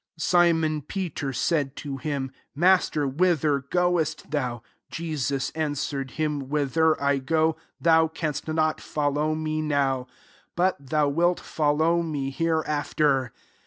36 Simon Peter said to him, '* Master, whither goest thou ?" Jesus answered him, " Whither I go, thou canst not follow me now ; but thou wilt follow me hereafter."